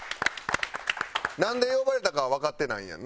なんで呼ばれたかはわかってないんやんな？